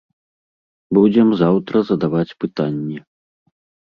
Будзем заўтра задаваць пытанні.